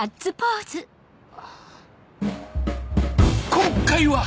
今回は！